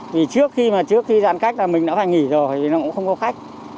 vì trước khi giãn cách là mình đã phải nghỉ rồi thì nó cũng không có khách